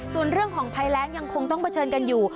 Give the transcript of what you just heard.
ส่วนเรื่องของภัยแรงยังคงต้องเผชิญกันอยู่